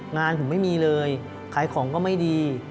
งานผมไม่มีเลยขายของก็ไม่ดี